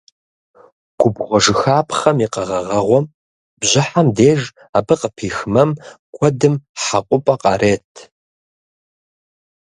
Губгъуэжыхапхъэм и къэгъэгъэгъуэм – бжьыхьэм деж, абы къыпих мэм куэдым хьэкъупӏэ къарет.